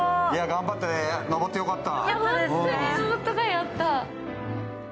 頑張って上ってよかった。